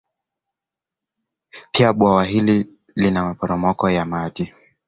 Pia bwawa hili lina maporomoko ya maji